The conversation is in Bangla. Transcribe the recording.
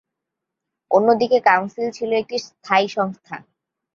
অন্যদিকে কাউন্সিল ছিল একটি স্থায়ী সংস্থা।